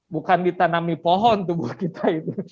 bukan ditanami pohon tubuh kita itu